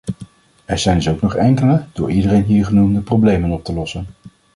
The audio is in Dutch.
Er zijn dus ook nog enkele, door iedereen hier genoemde problemen op te lossen.